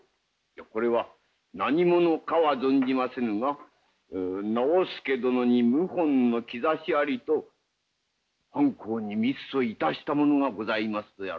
これは何者かは存じませぬが直弼殿に謀反の兆しありと藩公に密訴いたした者がございますやろ。